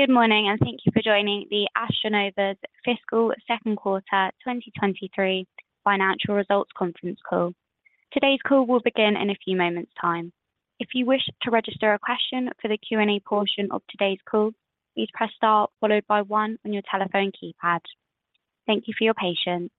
Good morning, and thank you for joining the AstroNova's Fiscal Second Quarter 2023 Financial Results Conference Call. Today's call will begin in a few moments time. If you wish to register a question for the Q&A portion of today's call, please press star followed by one on your telephone keypad. Thank you for your patience.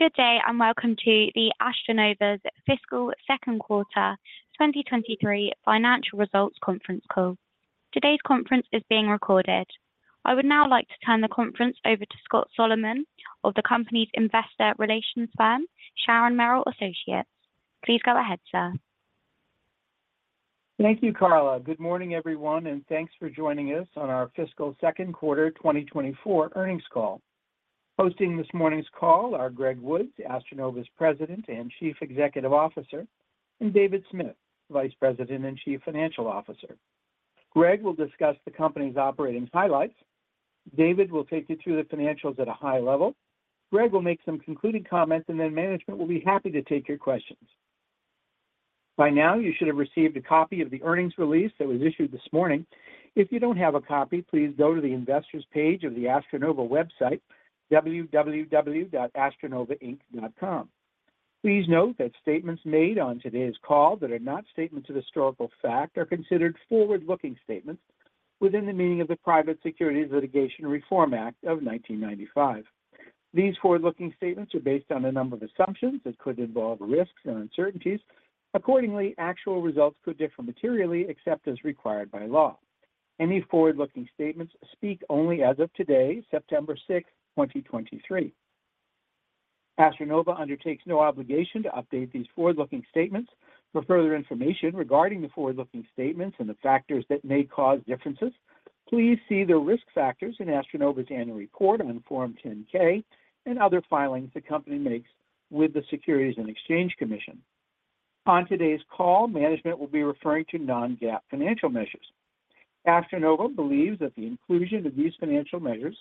Good day, and welcome to the AstroNova's Fiscal Second Quarter 2023 Financial Results Conference Call. Today's conference is being recorded. I would now like to turn the conference over to Scott Solomon of the company's investor relations firm, Sharon Merrill Associates. Please go ahead, sir. Thank you, Carla. Good morning, everyone, and thanks for joining us on our fiscal second quarter 2024 earnings call. Hosting this morning's call are Greg Woods, AstroNova's President and Chief Executive Officer, and David Smith, Vice President and Chief Financial Officer. Greg will discuss the company's operating highlights. David will take you through the financials at a high level. Greg will make some concluding comments, and then management will be happy to take your questions. By now, you should have received a copy of the earnings release that was issued this morning. If you don't have a copy, please go to the Investors page of the AstroNova website, www.astronovainc.com. Please note that statements made on today's call that are not statements of historical fact are considered forward-looking statements.... within the meaning of the Private Securities Litigation Reform Act of 1995. These forward-looking statements are based on a number of assumptions that could involve risks and uncertainties. Accordingly, actual results could differ materially, except as required by law. Any forward-looking statements speak only as of today, September 6th, 2023. AstroNova undertakes no obligation to update these forward-looking statements. For further information regarding the forward-looking statements and the factors that may cause differences, please see the risk factors in AstroNova's annual report on Form 10-K and other filings the company makes with the Securities and Exchange Commission. On today's call, management will be referring to non-GAAP financial measures. AstroNova believes that the inclusion of these financial measures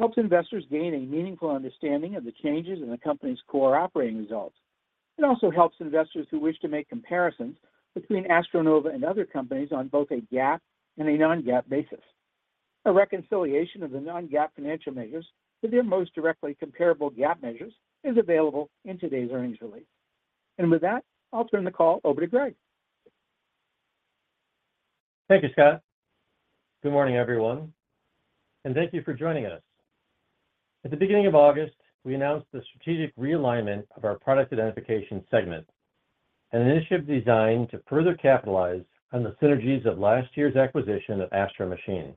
helps investors gain a meaningful understanding of the changes in the company's core operating results. It also helps investors who wish to make comparisons between AstroNova and other companies on both a GAAP and a non-GAAP basis. A reconciliation of the non-GAAP financial measures to their most directly comparable GAAP measures is available in today's earnings release. With that, I'll turn the call over to Greg. Thank you, Scott. Good morning, everyone, and thank you for joining us. At the beginning of August, we announced the strategic realignment of our product identification segment, an initiative designed to further capitalize on the synergies of last year's acquisition of Astro Machine.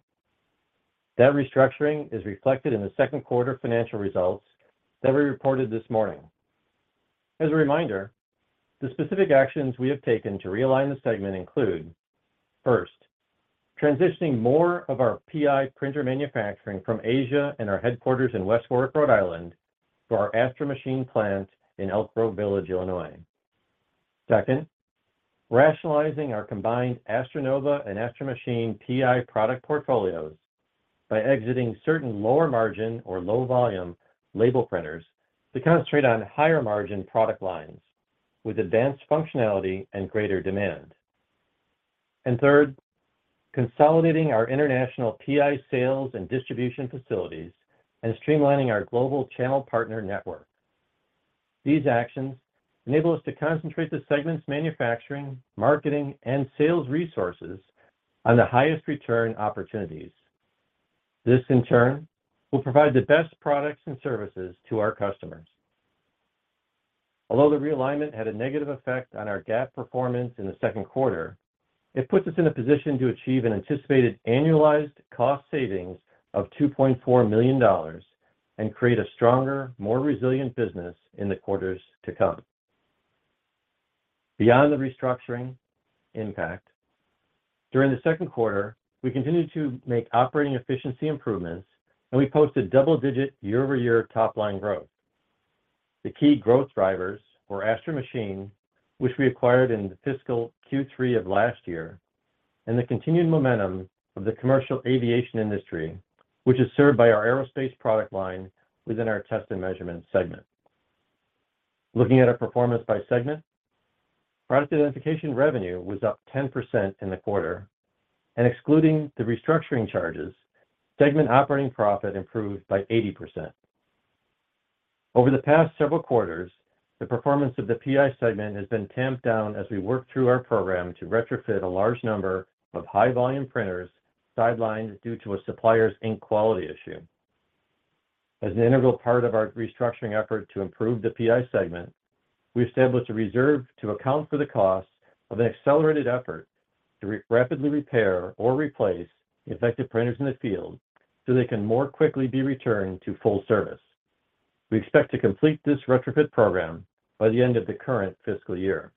That restructuring is reflected in the second quarter financial results that we reported this morning. As a reminder, the specific actions we have taken to realign the segment include, first, transitioning more of our PI printer manufacturing from Asia and our headquarters in West Warwick, Rhode Island, to our Astro Machine plant in Elk Grove Village, Illinois. Second, rationalizing our combined AstroNova and Astro Machine PI product portfolios by exiting certain lower margin or low volume label printers to concentrate on higher margin product lines with advanced functionality and greater demand. And third, consolidating our international PI sales and distribution facilities and streamlining our global channel partner network. These actions enable us to concentrate the segment's manufacturing, marketing, and sales resources on the highest return opportunities. This, in turn, will provide the best products and services to our customers. Although the realignment had a negative effect on our GAAP performance in the second quarter, it puts us in a position to achieve an anticipated annualized cost savings of $2.4 million and create a stronger, more resilient business in the quarters to come. Beyond the restructuring impact, during the second quarter, we continued to make operating efficiency improvements, and we posted double-digit year-over-year top-line growth. The key growth drivers were Astro Machine, which we acquired in the fiscal Q3 of last year, and the continued momentum of the commercial aviation industry, which is served by our aerospace product line within our Test & Measurement segment. Looking at our performance by segment, Product Identification revenue was up 10% in the quarter, and excluding the restructuring charges, segment operating profit improved by 80%. Over the past several quarters, the performance of the PI segment has been tamped down as we work through our program to retrofit a large number of high-volume printers sidelined due to a supplier's ink quality issue. As an integral part of our restructuring effort to improve the PI segment, we established a reserve to account for the costs of an accelerated effort to rapidly repair or replace affected printers in the field, so they can more quickly be returned to full service. We expect to complete this retrofit program by the end of the current fiscal year.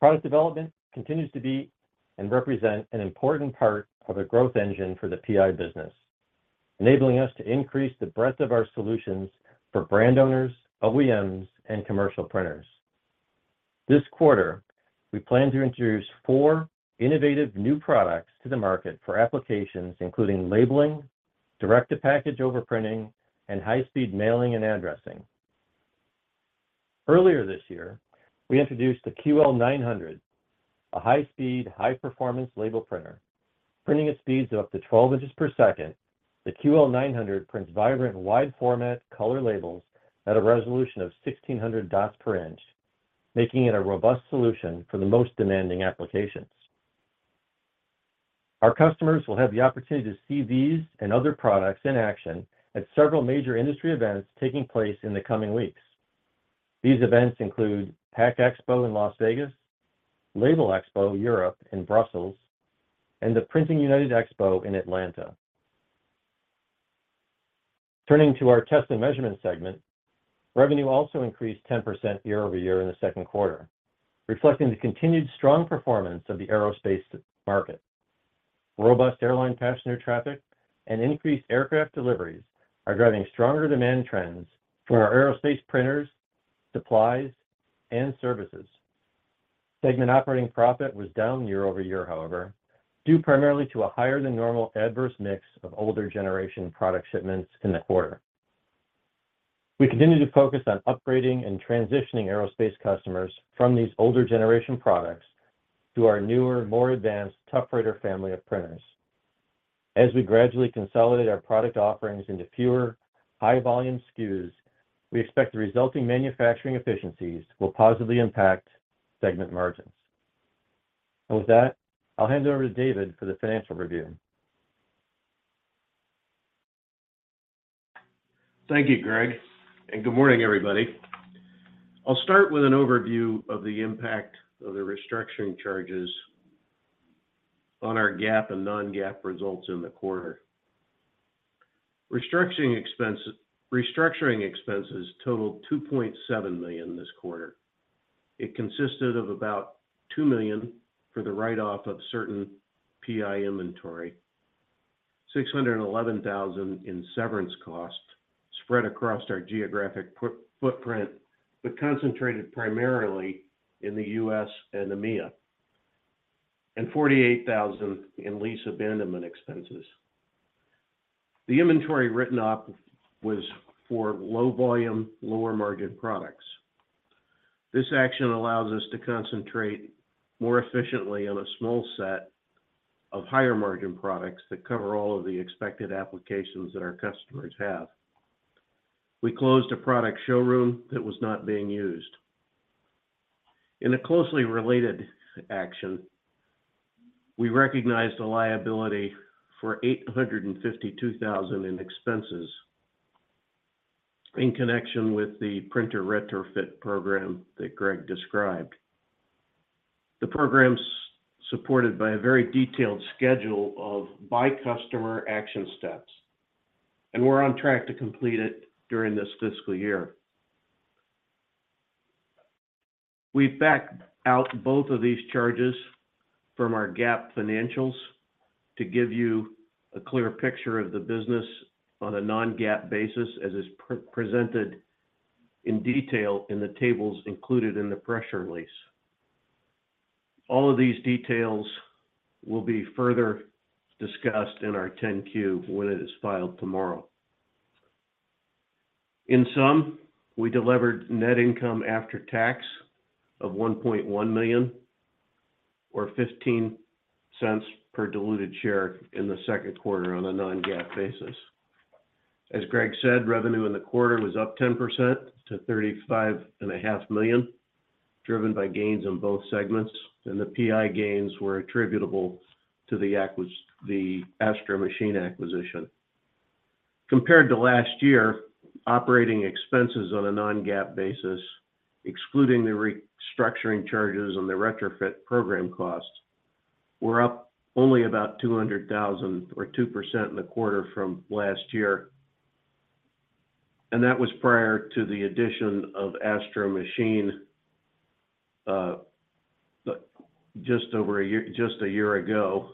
Product development continues to be and represent an important part of a growth engine for the PI business, enabling us to increase the breadth of our solutions for brand owners, OEMs, and commercial printers. This quarter, we plan to introduce four innovative new products to the market for applications, including labeling, direct-to-package overprinting, and high-speed mailing and addressing. Earlier this year, we introduced the QL-900, a high-speed, high-performance label printer. Printing at speeds of up to 12 inches per second, the QL-900 prints vibrant, wide-format color labels at a resolution of 1,600 dots per inch, making it a robust solution for the most demanding applications. Our customers will have the opportunity to see these and other products in action at several major industry events taking place in the coming weeks. These events include Pack Expo in Las Vegas, Labelexpo Europe in Brussels, and the Printing United Expo in Atlanta. Turning to our Test & Measurement segment, revenue also increased 10% year-over-year in the second quarter, reflecting the continued strong performance of the aerospace market. Robust airline passenger traffic and increased aircraft deliveries are driving stronger demand trends for our aerospace printers, supplies, and services. Segment operating profit was down year-over-year, however, due primarily to a higher-than-normal adverse mix of older generation product shipments in the quarter. We continue to focus on upgrading and transitioning aerospace customers from these older generation products to our newer, more advanced ToughWriter family of printers. As we gradually consolidate our product offerings into fewer, high-volume SKUs, we expect the resulting manufacturing efficiencies will positively impact segment margins. With that, I'll hand it over to David for the financial review. Thank you, Greg, and good morning, everybody. I'll start with an overview of the impact of the restructuring charges on our GAAP and non-GAAP results in the quarter. Restructuring expenses, restructuring expenses totaled $2.7 million this quarter. It consisted of about $2 million for the write-off of certain PI inventory, $611,000 in severance costs spread across our geographic footprint, but concentrated primarily in the U.S. and EMEA, and $48,000 in lease abandonment expenses. The inventory written off was for low volume, lower margin products. This action allows us to concentrate more efficiently on a small set of higher margin products that cover all of the expected applications that our customers have. We closed a product showroom that was not being used. In a closely related action, we recognized a liability for $852,000 in expenses in connection with the printer retrofit program that Greg described. The program's supported by a very detailed schedule of by customer action steps, and we're on track to complete it during this fiscal year. We've backed out both of these charges from our GAAP financials to give you a clear picture of the business on a non-GAAP basis, as is presented in detail in the tables included in the press release. All of these details will be further discussed in our 10-Q when it is filed tomorrow. In sum, we delivered net income after tax of $1.1 million, or $0.15 per diluted share in the second quarter on a non-GAAP basis. As Greg said, revenue in the quarter was up 10% to $35.5 million, driven by gains in both segments, and the PI gains were attributable to the Astro Machine acquisition. Compared to last year, operating expenses on a non-GAAP basis, excluding the restructuring charges and the retrofit program costs, were up only about $200,000 or 2% in the quarter from last year, and that was prior to the addition of Astro Machine, just a year ago.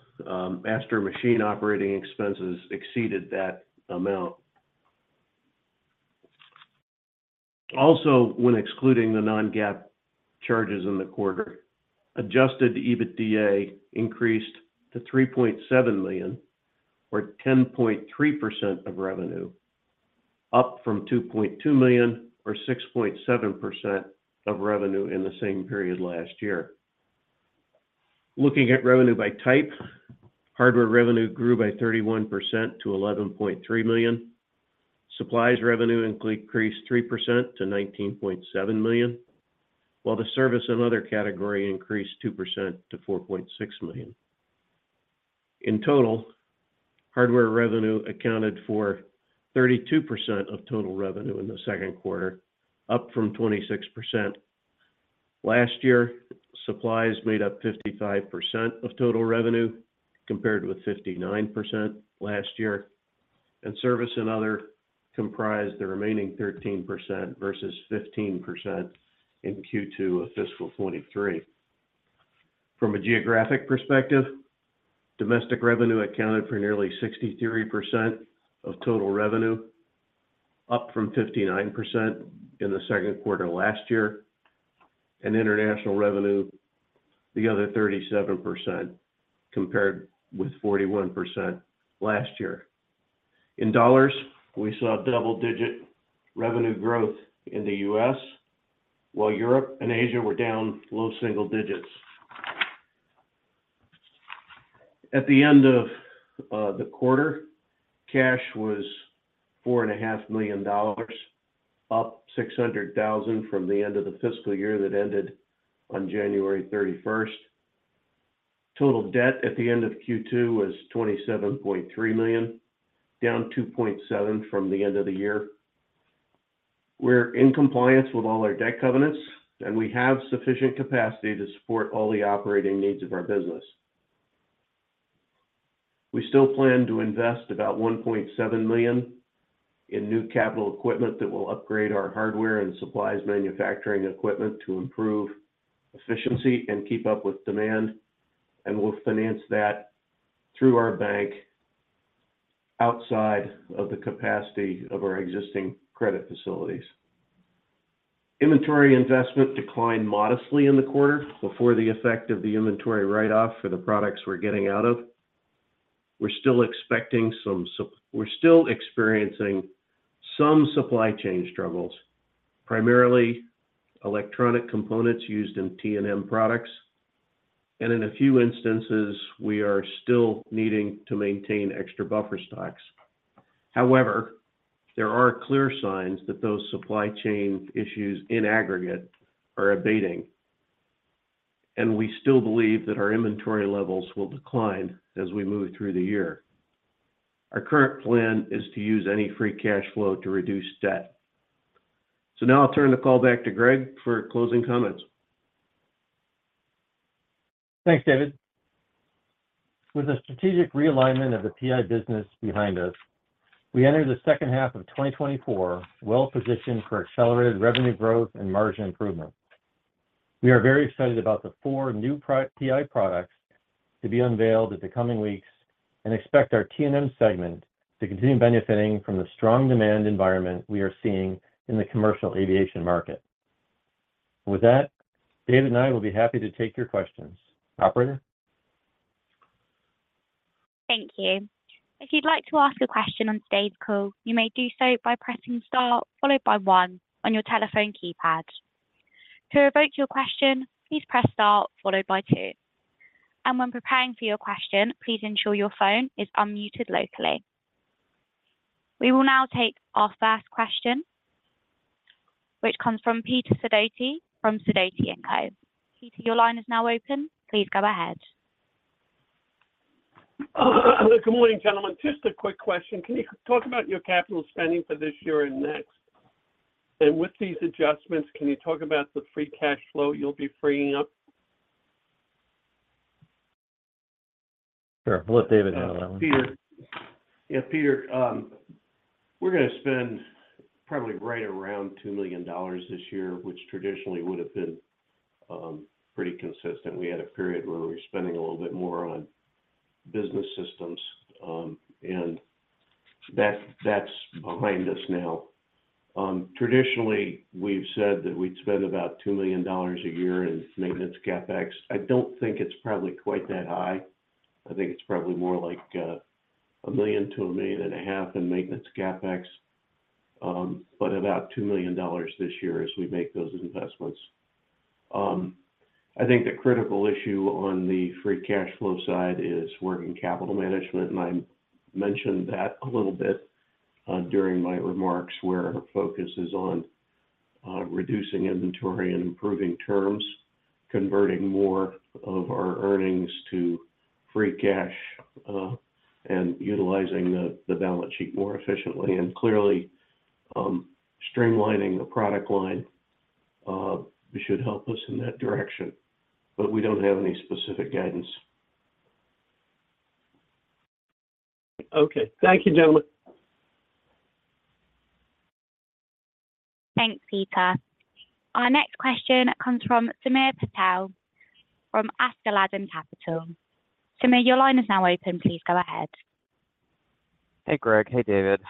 Astro Machine operating expenses exceeded that amount. Also, when excluding the non-GAAP charges in the quarter, adjusted EBITDA increased to $3.7 million, or 10.3% of revenue, up from $2.2 million, or 6.7% of revenue in the same period last year. Looking at revenue by type, hardware revenue grew by 31% to $11.3 million. Supplies revenue increased 3% to $19.7 million, while the service and other category increased 2% to $4.6 million. In total, hardware revenue accounted for 32% of total revenue in the second quarter, up from 26%. Last year, supplies made up 55% of total revenue, compared with 59% last year, and service and other comprised the remaining 13% versus 15% in Q2 of fiscal 2023. From a geographic perspective, domestic revenue accounted for nearly 63% of total revenue, up from 59% in the second quarter last year, and international revenue, the other 37%, compared with 41% last year. In dollars, we saw double-digit revenue growth in the U.S., while Europe and Asia were down low single digits. At the end of the quarter, cash was $4.5 million, up $600,000 from the end of the fiscal year that ended on January 31st. Total debt at the end of Q2 was $27.3 million, down $2.7 million from the end of the year. We're in compliance with all our debt covenants, and we have sufficient capacity to support all the operating needs of our business. We still plan to invest about $1.7 million in new capital equipment that will upgrade our hardware and supplies manufacturing equipment to improve efficiency and keep up with demand, and we'll finance that through our bank outside of the capacity of our existing credit facilities. Inventory investment declined modestly in the quarter before the effect of the inventory write-off for the products we're getting out of. We're still experiencing some supply chain struggles, primarily electronic components used in T&M products, and in a few instances, we are still needing to maintain extra buffer stocks. However, there are clear signs that those supply chain issues in aggregate are abating, and we still believe that our inventory levels will decline as we move through the year. Our current plan is to use any free cash flow to reduce debt. So now I'll turn the call back to Greg for closing comments. Thanks, David. With the strategic realignment of the PI business behind us, we enter the second half of 2024, well-positioned for accelerated revenue growth and margin improvement. We are very excited about the four new PI products to be unveiled in the coming weeks and expect our T&M segment to continue benefiting from the strong demand environment we are seeing in the commercial aviation market. With that, David and I will be happy to take your questions. Operator? Thank you. If you'd like to ask a question on today's call, you may do so by pressing star followed by one on your telephone keypad. To revoke your question, please press star followed by two. When preparing for your question, please ensure your phone is unmuted locally. We will now take our first question, which comes from Peter Sidoti, from Sidoti & Co. Peter, your line is now open. Please go ahead. Good morning, gentlemen. Just a quick question. Can you talk about your capital spending for this year and next? And with these adjustments, can you talk about the free cash flow you'll be freeing up? Sure. We'll let David handle that one. Peter. Yeah, Peter, we're gonna spend probably right around $2 million this year, which traditionally would have been pretty consistent. We had a period where we were spending a little bit more on business systems, and that's, that's behind us now. Traditionally, we've said that we'd spend about $2 million a year in maintenance CapEx. I don't think it's probably quite that high. I think it's probably more like $1 million-$1.5 million in maintenance CapEx, but about $2 million this year as we make those investments. I think the critical issue on the free cash flow side is working capital management, and I mentioned that a little bit during my remarks, where our focus is on reducing inventory and improving terms, converting more of our earnings to free cash, and utilizing the balance sheet more efficiently. And clearly, streamlining the product line should help us in that direction, but we don't have any specific guidance. Okay. Thank you, gentlemen. Thanks, Peter. Our next question comes from Samir Patel from Askeladden Capital. Samir, your line is now open. Please go ahead. Hey, Greg. Hey, David.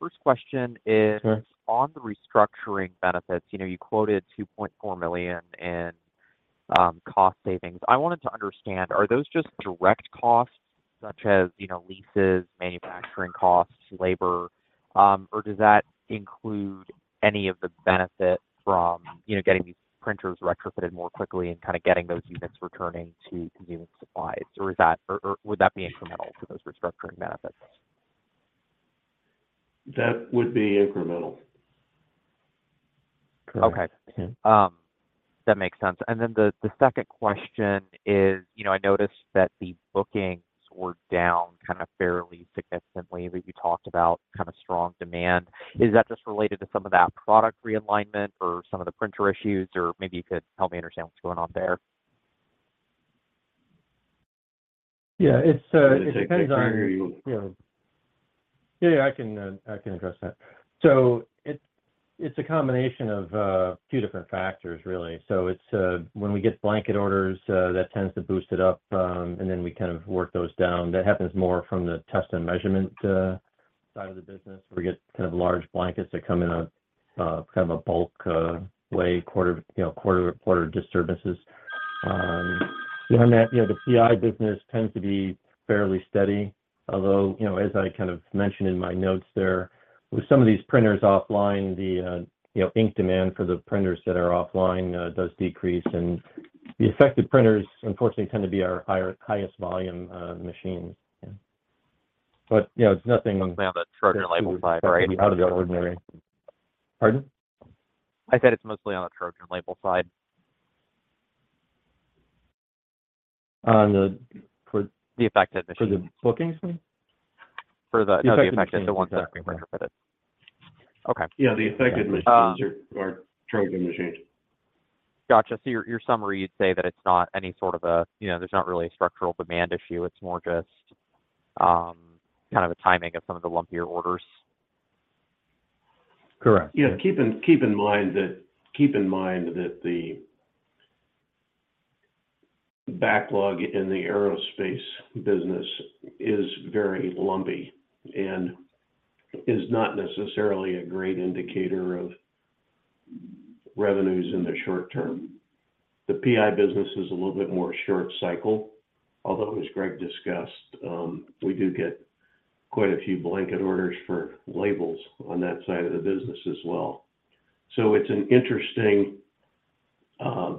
First question is- Sure On the restructuring benefits, you know, you quoted $2.4 million in cost savings. I wanted to understand, are those just direct costs, such as, you know, leases, manufacturing costs, labor, or does that include any of the benefit from, you know, getting these printers retrofitted more quickly and getting those units returning to consuming supplies, or is that, or would that be incremental to those restructuring benefits? That would be incremental. Correct. Okay. That makes sense. And then the second question is, you know, I noticed that the bookings were down fairly significantly. We talked about kind of strong demand. Is that just related to some of that product realignment or some of the printer issues, or maybe you could help me understand what's going on there? Yeah, it's, it depends on, you know. Yeah, I can, I can address that. So it, it's a combination of, two different factors, really. So it's, when we get blanket orders, that tends to boost it up, and then we kind of work those down. That happens more from the Test & Measurement side of the business. We get kind of large blankets that come in a, kind of a bulk, way, quarter, you know, quarter to quarter just services. Yeah, you know, the PI business tends to be fairly steady, although, you know, as I kind of mentioned in my notes there, with some of these printers offline, the, you know, ink demand for the printers that are offline, does decrease. And the affected printers, unfortunately, tend to be our higher-highest volume machines. You know, it's nothing- On the TrojanLabel side, right? Out of the ordinary. Pardon? I said it's mostly on the TrojanLabel side. On the, for- The affected machines For the bookings? For the affected- The affected The ones that are being retrofitted. Okay. Yeah, the affected machines- Um- are Trojan machines. Gotcha. So your summary, you'd say that it's not any sort of a, you know, there's not really a structural demand issue, it's more just, kind of a timing of some of the lumpier orders? Correct. Yeah. Keep in mind that the backlog in the aerospace business is very lumpy and is not necessarily a great indicator of revenues in the short term. The PI business is a little bit more short cycle, although, as Greg discussed, we do get quite a few blanket orders for labels on that side of the business as well. So it's an interesting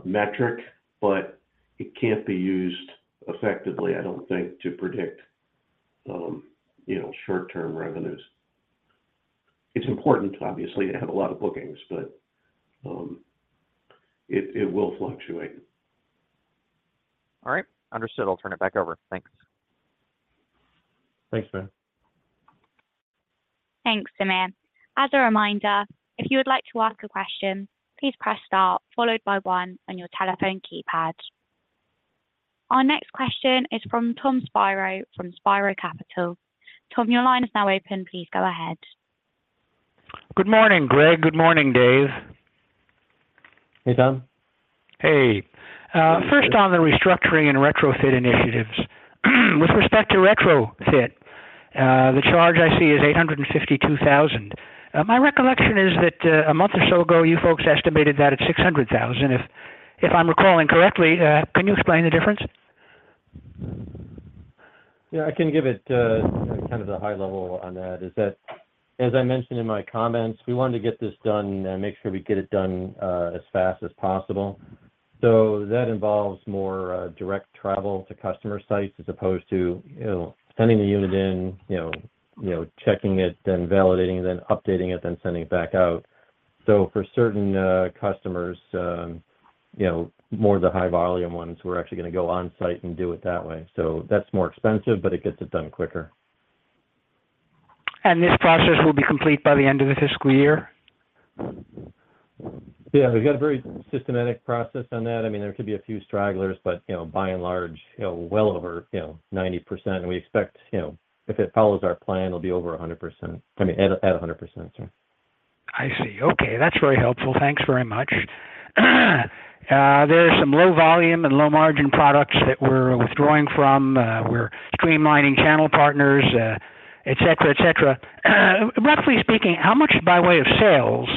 metric, but it can't be used effectively, I don't think, to predict, you know, short-term revenues. It's important, obviously, to have a lot of bookings, but it will fluctuate. All right. Understood. I'll turn it back over. Thanks. Thanks, man. Thanks, Samir. As a reminder, if you would like to ask a question, please press star followed by one on your telephone keypad. Our next question is from Tom Spiro, from Spiro Capital. Tom, your line is now open. Please go ahead. Good morning, Greg. Good morning, Dave. Hey, Tom. Hey. First on the restructuring and retrofit initiatives. With respect to retrofit, the charge I see is $852,000. My recollection is that, a month or so ago, you folks estimated that at $600,000. If, if I'm recalling correctly, can you explain the difference? Yeah, I can give it, kind of the high level on that, is that, as I mentioned in my comments, we wanted to get this done and make sure we get it done, as fast as possible. So that involves more, direct travel to customer sites as opposed to, you know, sending a unit in, you know, you know, checking it, then validating, then updating it, then sending it back out. So for certain, customers, you know, more of the high volume ones, we're actually gonna go on site and do it that way. So that's more expensive, but it gets it done quicker. This process will be complete by the end of the fiscal year? Yeah. We've got a very systematic process on that. I mean, there could be a few stragglers, but, you know, by and large, you know, well over, you know, 90%. We expect, you know, if it follows our plan, it'll be over 100%. I mean, at, at 100%, sorry. I see. Okay, that's very helpful. Thanks very much. There are some low volume and low margin products that we're withdrawing from. We're streamlining channel partners, et cetera, et cetera. Roughly speaking, how much by way of sales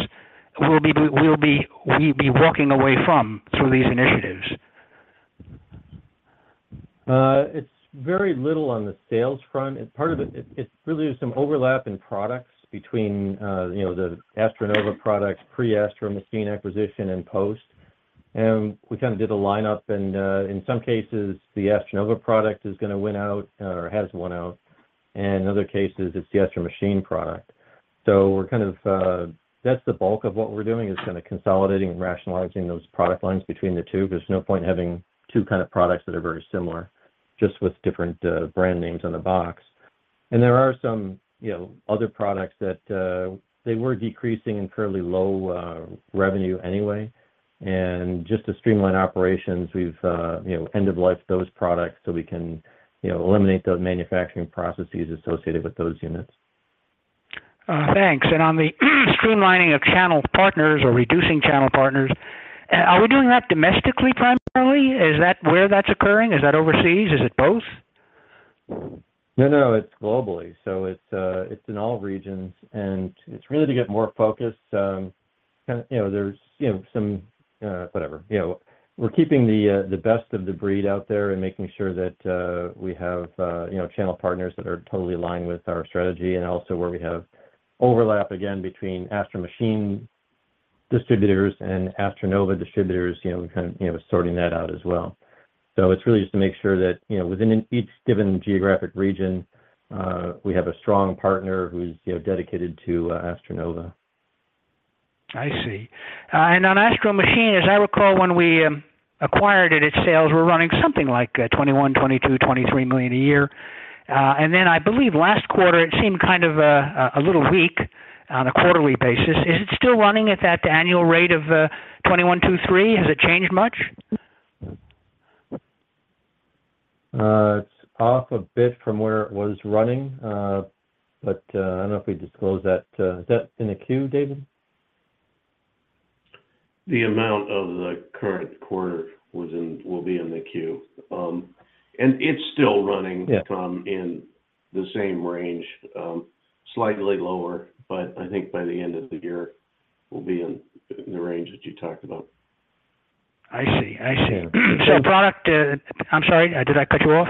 will we be walking away from through these initiatives? It's very little on the sales front. It's part of it. It's really some overlap in products between, you know, the AstroNova products, pre Astro Machine acquisition and post. And we kind of did a lineup and, in some cases, the AstroNova product is gonna win out, or has won out, and in other cases, it's the Astro Machine product. So we're kind of... That's the bulk of what we're doing, is consolidating and rationalizing those product lines between the two, 'cause there's no point in having two kind of products that are very similar, just with different brand names on the box. And there are some, you know, other products that, they were decreasing and currently low revenue anyway. Just to streamline operations, we've, you know, end-of-lifed those products so we can, you know, eliminate those manufacturing processes associated with those units. Thanks. And on the streamlining of channel partners or reducing channel partners, are we doing that domestically, primarily? Is that where that's occurring? Is that overseas? Is it both? No, no, it's globally. So it's, it's in all regions, and it's really to get more focused. Kind of, you know, there's, you know, some, whatever. You know, we're keeping the best of the breed out there and making sure that we have, you know, channel partners that are totally aligned with our strategy, and also where we have overlap, again, between Astro Machine distributors and AstroNova distributors, you know, we're kind of, you know, sorting that out as well. So it's really just to make sure that, you know, within each given geographic region, we have a strong partner who's, you know, dedicated to AstroNova. I see. And on Astro Machine, as I recall, when we acquired it, its sales were running something like $21-$23 million a year. And then I believe last quarter, it seemed kind of a little weak on a quarterly basis. Is it still running at that annual rate of $21.23? Has it changed much? It's off a bit from where it was running, but I don't know if we disclosed that. Is that in the queue, David? The amount of the current quarter will be in the queue. And it's still running- Yeah... in the same range, slightly lower, but I think by the end of the year, we'll be in the range that you talked about. I see. I see. So product, I'm sorry, did I cut you off?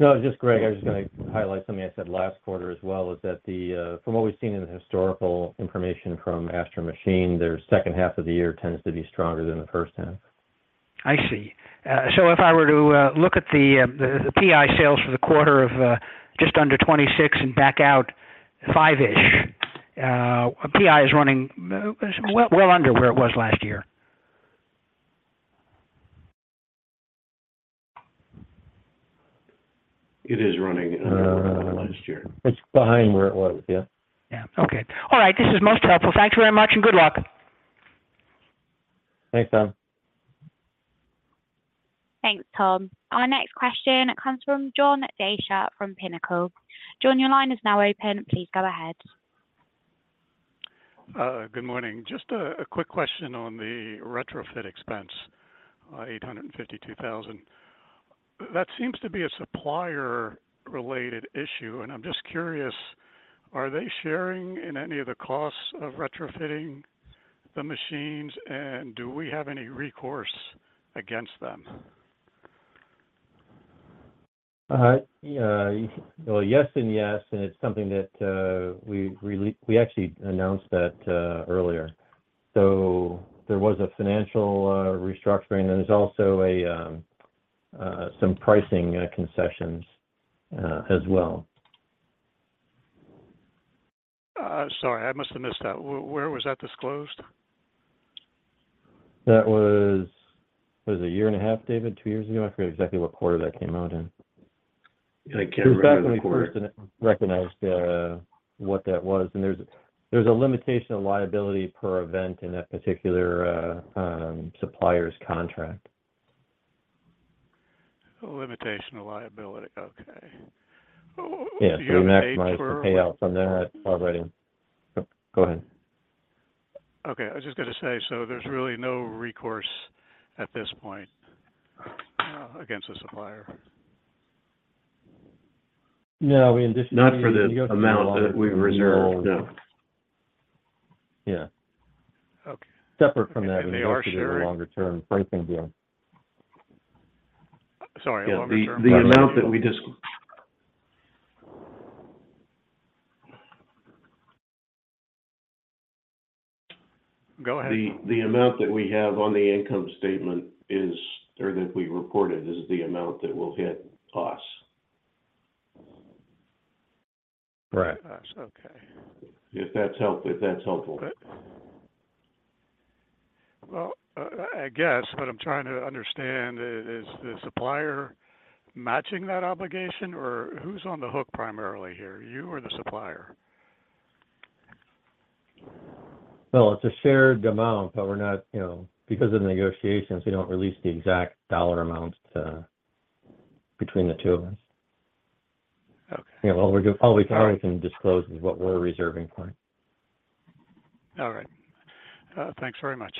No, just Greg, I was just gonna highlight something I said last quarter as well, is that the, from what we've seen in the historical information from Astro Machine, their second half of the year tends to be stronger than the first half. I see. So if I were to look at the PI sales for the quarter of just under $26 and back out $5-ish, PI is running well under where it was last year. It is running last year. It's behind where it was, yeah. Yeah. Okay. All right. This is most helpful. Thanks very much, and good luck. Thanks, Tom. Thanks, Tom. Our next question comes from John Deysher from Pinnacle. John, your line is now open. Please go ahead. Good morning. Just a quick question on the retrofit expense, $852,000. That seems to be a supplier-related issue, and I'm just curious, are they sharing in any of the costs of retrofitting the machines, and do we have any recourse against them? Well, yes and yes, and it's something that we actually announced that earlier. So there was a financial restructuring. There's also some pricing concessions as well. Sorry, I must have missed that. Where, where was that disclosed? Was it a year and a half, David, two years ago? I forget exactly what quarter that came out in. I can't remember the quarter. It was back when we first recognized what that was, and there's a limitation of liability per event in that particular supplier's contract. Limitation of liability, okay. Do you pay for- Yeah, to maximize the payout from that provider. Go ahead. Okay, I was just gonna say, so there's really no recourse at this point, against the supplier? No, we in this- Yeah. Okay. Separate from that, we go through the longer-term pricing deal. Go ahead. The amount that we have on the income statement is, or that we reported, is the amount that will hit us. Right. Okay. If that's helpful. Well, I guess, but I'm trying to understand, is the supplier matching that obligation, or who's on the hook primarily here, you or the supplier? Well, it's a shared amount, but we're not, you know... Because of the negotiations, we don't release the exact dollar amounts between the two of us. Okay. You know, all we can disclose is what we're reserving for. All right. Thanks very much.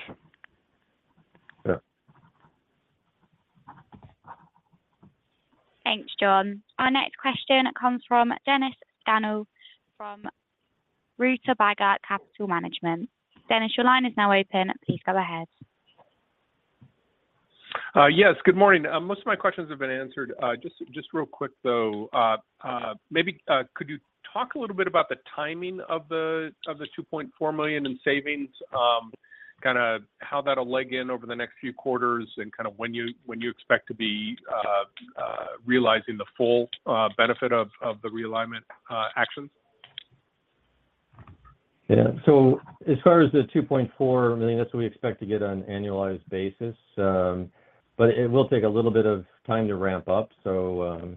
Yeah. Thanks, John. Our next question comes from Dennis Scannell, from Rutabaga Capital Management. Dennis, your line is now open. Please go ahead. Yes, good morning. Most of my questions have been answered. Just, just real quick, though, maybe could you talk a little bit about the timing of the $2.4 million in savings? Kind of how that'll leg in over the next few quarters and kind of when you, when you expect to be realizing the full benefit of the realignment actions? Yeah. So as far as the $2.4 million, that's what we expect to get on an annualized basis, but it will take a little bit of time to ramp up. So,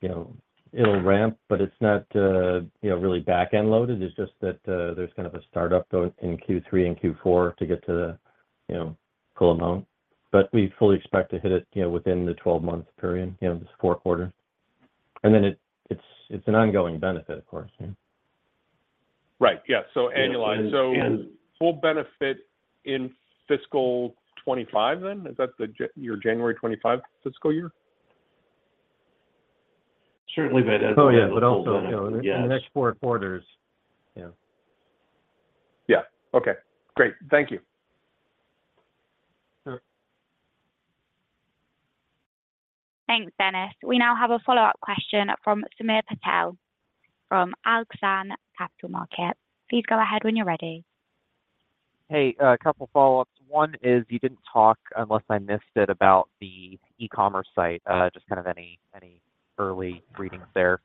you know, it'll ramp, but it's not, you know, really back-end loaded. It's just that, there's kind of a start-up go in Q3 and Q4 to get to the, you know, full amount. But we fully expect to hit it, you know, within the 12-month period, you know, this fourth quarter. And then it, it's, it's an ongoing benefit, of course, yeah. Right. Yeah. So annualized. Yes, and- So full benefit in fiscal 2025 then? Is that your January 2025 fiscal year? Certainly that is- in the next four quarters. Yeah. Yeah. Okay, great. Thank you. Sure. Thanks, Dennis. We now have a follow-up question from Samir Patel, from Askeladden Capital Management. Please go ahead when you're ready. Hey, a couple follow-ups. One is, you didn't talk, unless I missed it, about the e-commerce site, just kind of any early readings there?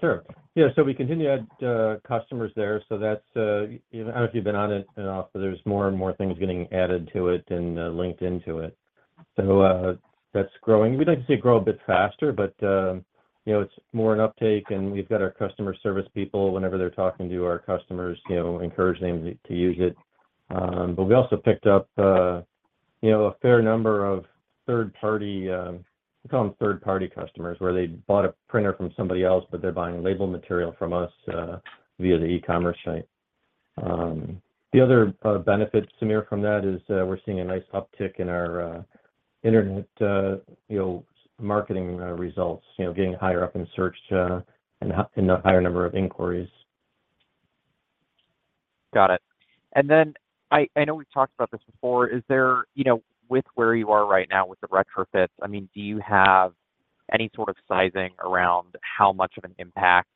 Sure. Yeah, so we continue to add customers there, so that's you know, I don't know if you've been on it, but there's more and more things getting added to it and linked into it. So that's growing. We'd like to see it grow a bit faster, but you know, it's more an uptake, and we've got our customer service people, whenever they're talking to our customers, you know, encouraging them to use it. But we also picked up you know, a fair number of third-party, we call them third-party customers, where they bought a printer from somebody else, but they're buying label material from us via the e-commerce site. The other benefit, Samir, from that is, we're seeing a nice uptick in our internet, you know, marketing results, you know, getting higher up in search, and a higher number of inquiries. Got it. And then, I know we've talked about this before. Is there, you know, with where you are right now with the retrofits, I mean, do you have any sort of sizing around how much of an impact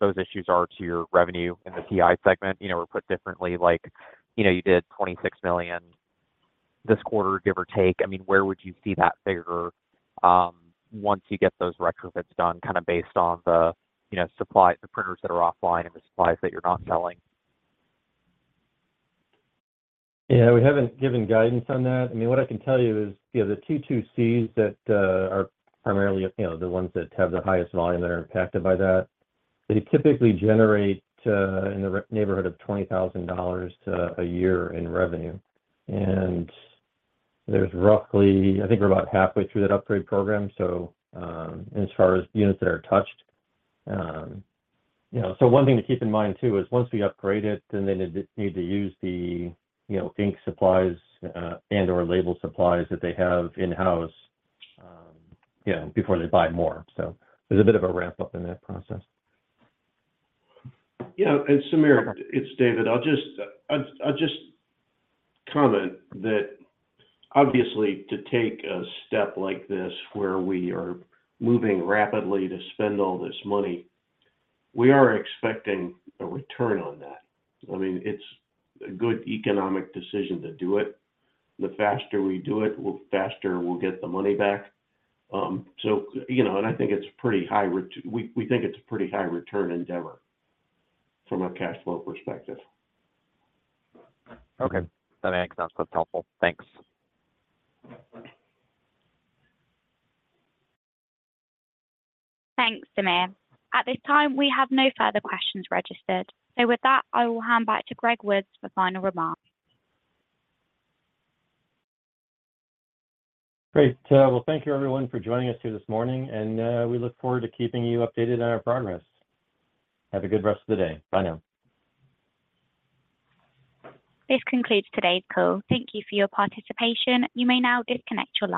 those issues are to your revenue in the T&M segment? You know, or put differently, like, you know, you did $26 million this quarter, give or take. I mean, where would you see that figure once you get those retrofits done, kind of based on the, you know, supply, the printers that are offline and the supplies that you're not selling? Yeah, we haven't given guidance on that. I mean, what I can tell you is, you know, the T2-Cs that are primarily, you know, the ones that have the highest volume that are impacted by that, they typically generate in the neighborhood of $20,000 to a year in revenue. There's roughly, I think we're about halfway through that upgrade program, so, as far as units that are touched, you know... One thing to keep in mind, too, is once we upgrade it, then they need to use the, you know, ink supplies and/or label supplies that they have in-house, yeah, before they buy more. There's a bit of a ramp-up in that process. Yeah, Samir, it's David. I'll just comment that obviously, to take a step like this, where we are moving rapidly to spend all this money, we are expecting a return on that. I mean, it's a good economic decision to do it. The faster we do it, the faster we'll get the money back. So, you know, I think it's pretty high return, we think it's a pretty high return endeavor from a cash flow perspective. Okay. That makes sense. That's helpful. Thanks. Thanks, Samir. At this time, we have no further questions registered. So with that, I will hand back to Greg Woods for final remarks. Great. Well, thank you everyone for joining us here this morning, and we look forward to keeping you updated on our progress. Have a good rest of the day. Bye now. This concludes today's call. Thank you for your participation. You may now disconnect your lines.